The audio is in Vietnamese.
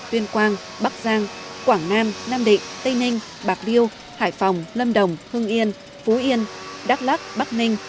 tuyên quang bắc giang quảng nam nam định tây ninh bạc liêu hải phòng lâm đồng hưng yên phú yên đắk lắc bắc ninh